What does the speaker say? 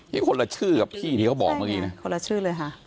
นี่คนละชื่อกับพี่ที่เค้าบอกเมื่อกี้น่ะ